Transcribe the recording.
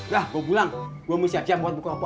dah gue pulang gue mau siap jam buat buka puasa